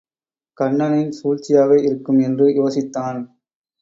கண்ணனின் சூழ்ச்சியாக இருக்கும் என்று யோசித்தான்.